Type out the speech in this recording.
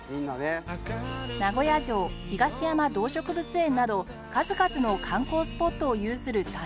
名古屋城東山動植物園など数々の観光スポットを有する大都市